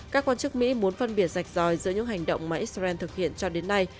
các quan chức mỹ muốn phân biệt rạch ròi giữa những hành động mà israel thực hiện cho đến nay